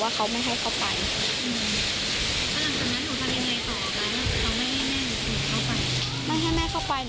ทำข้าวไข่เจียวให้แม่กินค่ะแล้วก็เอาไปให้แม่